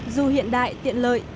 dù hiện đại tiện lợi